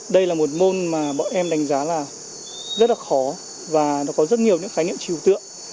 đây là một môn mà bọn em đánh giá là rất là khó và nó có rất nhiều những khái niệm trừu tượng